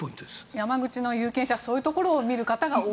山口の有権者はそういうところを見る方が多い。